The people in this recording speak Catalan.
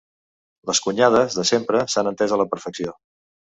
Les cunyades, de sempre, s'han entès a la perfecció.